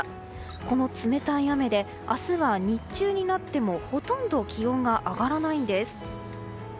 この冷たい雨で明日は日中になってもほとんど気温が上がらないんです。